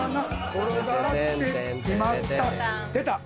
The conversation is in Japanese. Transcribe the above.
「転がって決まった」出た！